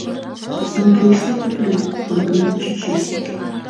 — Мудречла кутырет, Йыгнат чӱчӱ.